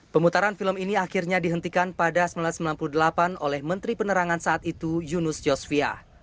pemutaran film ini akhirnya dihentikan pada seribu sembilan ratus sembilan puluh delapan oleh menteri penerangan saat itu yunus yosvia